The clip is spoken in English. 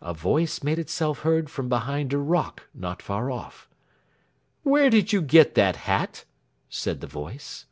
A voice made itself heard from behind a rock not far off. "Where did you get that hat?" said the voice.